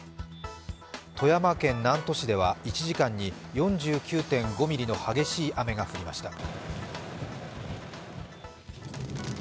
富山県南砺市では１時間に４９．５ミリの激しい雨が降りました。